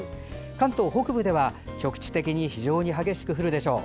関東北部では局地的に非常に激しく降るでしょう。